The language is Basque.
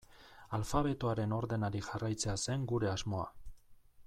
Alfabetoaren ordenari jarraitzea zen gure asmoa.